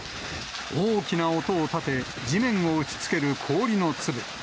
大きな音を立て、地面を打ちつける氷の粒。